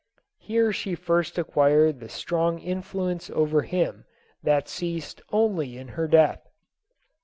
Here she first acquired the strong influence over him that ceased only in her death.